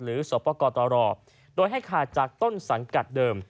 สปกตรโดยให้ขาดจากต้นสังกัดเดิม